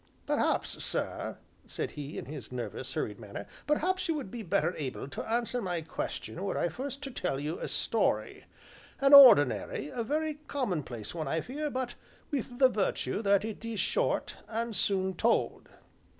"Perhaps, sir," said he, in his nervous, hurried manner, "perhaps you would be better able to answer my question were I first to tell you a story an ordinary, a very commonplace one, I fear, but with the virtue that it is short, and soon told."